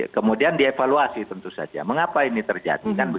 kemudian dievaluasi tentu saja mengapa ini terjadi